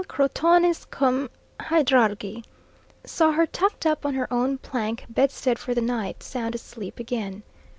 crotonis cum hydrargi, saw her tucked up on her own plank bedstead for the night, sound asleep again.